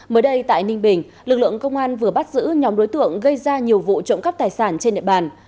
mới đây tại ninh bình lực lượng công an vừa bắt giữ nhóm đối tượng gây ra nhiều vụ trộm cắp tài sản trên địa bàn